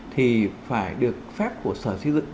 thì phải được phép của sở xây dựng